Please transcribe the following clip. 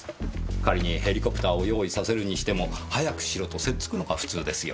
仮にヘリコプターを用意させるにしても早くしろとせっつくのが普通ですよ。